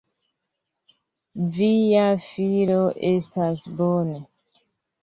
Via filo estas bone.